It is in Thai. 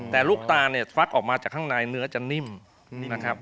แต่ลูกตาเนี่ยฟักออกมาจากข้างในเนื้อจะนิ่มนะครับ